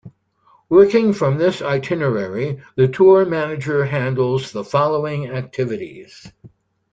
Working from this itinerary, the tour manager handles the following activities.